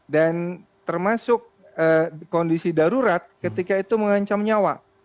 dan termasuk kondisi darurat ketika itu mengancam nyawa